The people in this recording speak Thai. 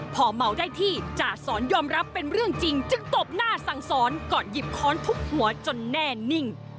พอเมาได้ที่จ่าสอนยอมรับเป็นเรื่องจริงจึงตบหน้าสั่งสอนก่อนหยิบค้อนทุบหัวจนแน่นิ่ง